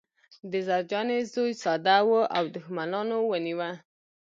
د زرجانې زوی ساده و او دښمنانو ونیوه